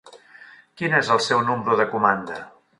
Quin és el seu número de comanda?